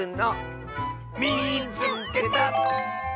「みいつけた！」。